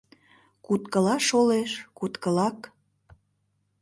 Куткыла шолеш, куткылак...